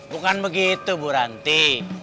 bukan begitu bu ranti